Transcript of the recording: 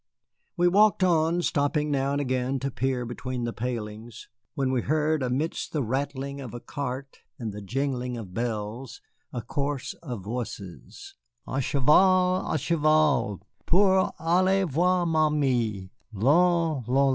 We walked on, stopping now and again to peer between the palings, when we heard, amidst the rattling of a cart and the jingling of bells, a chorus of voices: "À cheval, à cheval, pour aller voir ma mie, Lon, lon, la!"